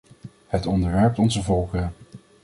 Het onderwerpt onze volkeren.